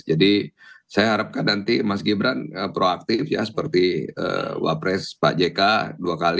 jadi saya harapkan nanti mas gibran proaktif ya seperti wapres pak jk dua kali